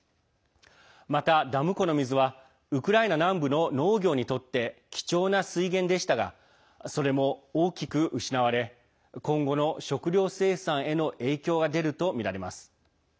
またダム湖の水はウクライナ南部の農業にとって貴重な水源でしたがそれも大きく失われ今後の食料生産への影響が出るとみられます。